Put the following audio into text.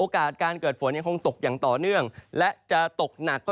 ไปถึง๑๕เมตร